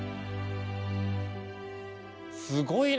すごいね！